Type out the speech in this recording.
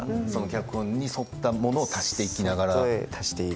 脚本に沿ったものを足していきながら？